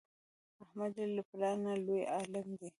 احمد یې له پلار نه لوی عالم دی.